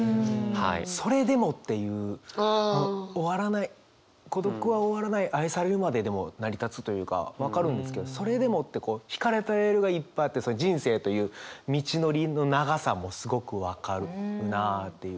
「それでも」っていう終わらない「孤独は終わらない愛されるまで」でも成り立つというか分かるんですけど「それでも」ってこう引かれたレールがいっぱいあって人生という道のりの長さもすごく分かるなっていう。